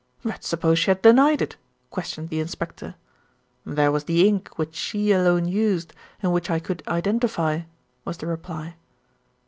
"But suppose she had denied it?" questioned the inspector. "There was the ink which she alone used, and which I could identify," was the reply.